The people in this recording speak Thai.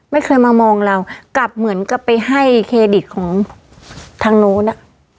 ไม่เคยมามองเรากลับเหมือนกับไปให้เครดิตของทางโน้นอ่ะ